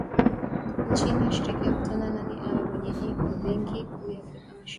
Nchini washiriki wavutana nani awe mwenyeji wa benki kuu ya Afrika Mashariki